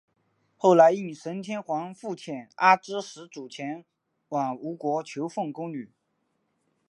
后来应神天皇复遣阿知使主前往吴国求缝工女。